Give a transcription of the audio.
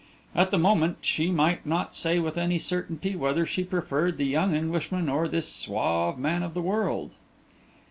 At the moment, she might not say with any certainty, whether she preferred the young Englishman or this suave man of the world.